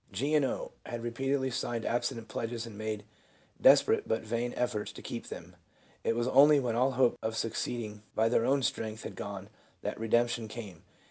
1 G. and 0. had repeatedly signed abstinence pledges, and had made desperate, but vain, efforts to keep them. It was only when all hope of succeeding by their own strength had gone that redemption came.